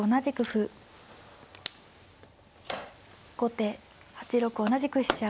後手８六同じく飛車。